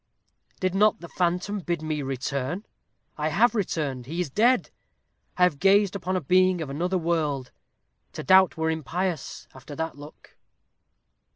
Did not the phantom bid me return? I have returned he is dead. I have gazed upon a being of another world. To doubt were impious, after that look."